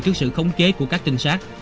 trước sự khống kế của các tinh sát